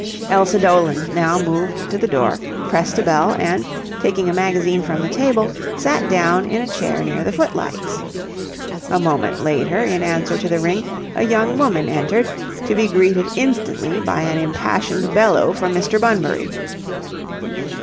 Elsa Doland now moved to the door, pressed a bell, and, taking a magazine from the table, sat down in a chair near the footlights. A moment later, in answer to the ring, a young woman entered, to be greeted instantly by an impassioned bellow from Mr. Bunbury.